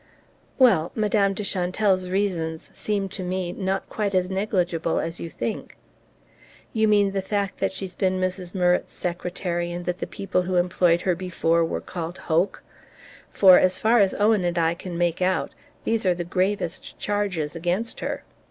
"Well Madame de Chantelle's reasons seem to me not quite as negligible as you think." "You mean the fact that she's been Mrs. Murrett's secretary, and that the people who employed her before were called Hoke? For, as far as Owen and I can make out, these are the gravest charges against her."